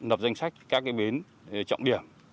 nập danh sách các cái bến trọng điểm